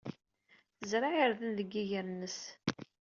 Tezreɛ irden deg yiger-nnes.